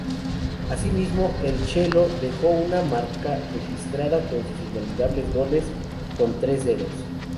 Asimismo, el Chelo dejó una marca registrada con sus inolvidables goles con "tres dedos".